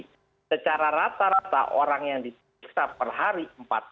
jadi secara rata rata orang yang diperiksa per hari